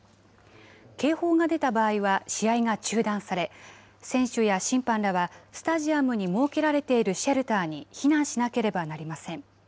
警報が出た場合は試合が中断され、選手や審判らはスタジアムに設けられているシェルターに避難しなければなりません。